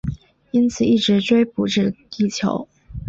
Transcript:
因此一直追捕至地球。